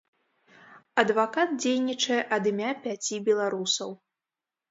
Адвакат дзейнічае ад імя пяці беларусаў.